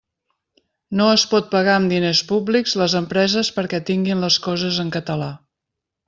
No es pot pagar amb diners públics les empreses perquè tinguin les coses en català.